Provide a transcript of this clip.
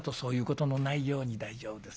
「大丈夫です。